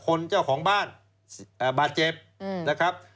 คนเจ้าของบ้านบาดเจ็บ